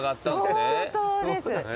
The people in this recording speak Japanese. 相当です。